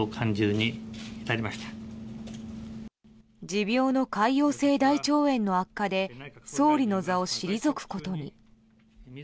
持病の潰瘍性大腸炎の悪化で総理の座を退くことに。